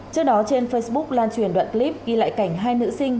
trước đó trên facebook lan truyền đoạn clip ghi lại cảnh hai nữ sinh